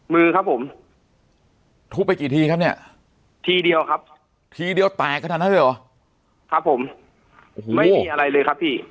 มือครับผมทุบไปกี่ทีครับเนี่ยทีเดียวครับทีเดียวแตกขนาดนั้นเลยเหรอครับผมโอ้โหไม่มีอะไรเลยครับพี่